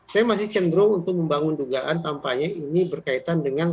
saya masih cenderung untuk membangun dugaan tampaknya ini berkaitan dengan